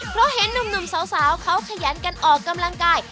เพราะเห็นหนุ่มสาวเขาขยันกันออกกำลังกาย